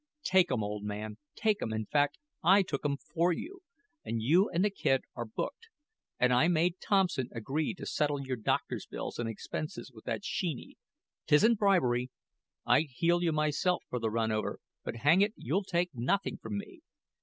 "Take 'em, old man, take 'em; in fact, I took 'em for you, and you and the kid are booked. And I made Thompson agree to settle your doctor's bill and expenses with that Sheeny. 'Tisn't bribery. I'd heel you myself for the run over, but, hang it, you'll take nothing from me.